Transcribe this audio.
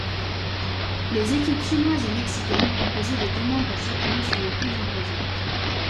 Les équipes chinoise et mexicaine, composées de dix membres chacune, sont les plus imposantes.